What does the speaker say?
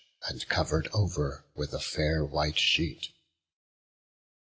And cover'd over with a fair white sheet.